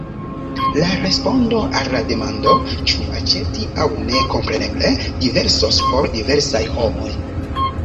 La respondo al la demando, ĉu aĉeti aŭ ne, kompreneble diversos por diversaj homoj.